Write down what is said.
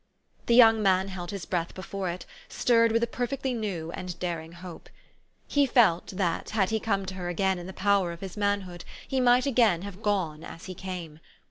The young man held his breath before it, stirred with a perfectly new and daring hope. He felt, that, had he come to her again in the power of his man hood, he might again have gone as he came.